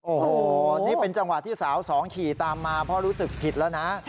โอ้โหนี่เป็นจังหวะที่สาวสองขี่ตามมาพ่อรู้สึกผิดแล้วนะ